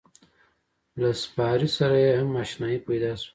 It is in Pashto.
له سپارې سره یې هم اشنایي پیدا شوه.